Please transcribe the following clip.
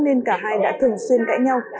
nên cả hai đã thường xuyên cãi nhau